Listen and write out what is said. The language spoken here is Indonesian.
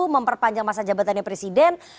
memperpanjang masa jabatannya presiden